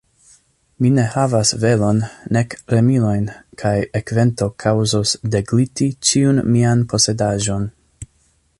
Mi ne havas velon, nek remilojn; kaj ekvento kaŭzos degliti ĉiun mian posedaĵon.